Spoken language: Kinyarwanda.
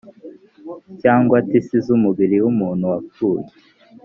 cyangwa tisi z umubiri w umuntu wapfuye